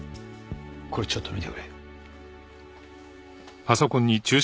これちょっと見てくれ。